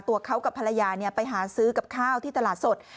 ตัวเขากับภรรยาไปหาซื้อกับข้าวที่ตลาดสด